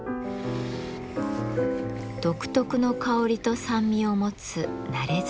独特の香りと酸味を持つ熟ずし。